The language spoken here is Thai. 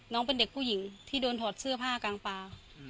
น้องเป็นเด็กผู้หญิงที่โดนถอดเสื้อผ้ากลางปลา